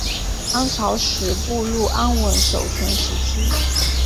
宋朝始步入安稳守成时期。